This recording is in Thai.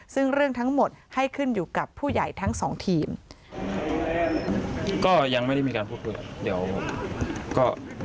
ซึ่งเรื่องทั้งหมดให้ขึ้นอยู่กับผู้ใหญ่ทั้งสองทีม